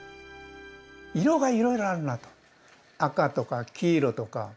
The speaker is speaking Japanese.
色がいろいろあるなと赤とか黄色とか白もあるし。